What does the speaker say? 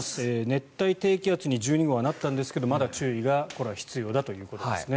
熱帯低気圧に１２号はなったんですがまだ注意が必要だということですね。